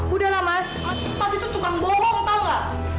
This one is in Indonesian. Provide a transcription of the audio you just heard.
udahlah mas mas itu tukang bohong tau gak